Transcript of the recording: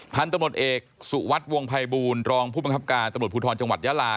พันธุ์ตำรวจเอกสุวัสดิ์วงภัยบูรณรองผู้บังคับการตำรวจภูทรจังหวัดยาลา